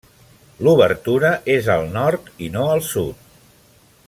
L'obertura és al nord, i no al sud.